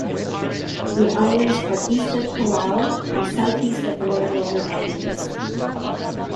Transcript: The islands are east of Palau and southeast of the Mariana Islands.